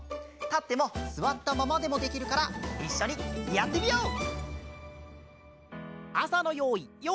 たってもすわったままでもできるからいっしょにやってみよう！